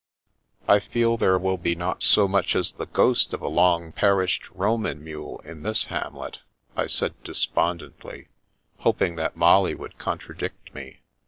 " I feel there will be not so much as the ghost of a long perished Roman mule in this hamlet," I said despondently, hoping that Molly would contradict me.